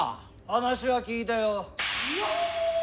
話は聞いたよ。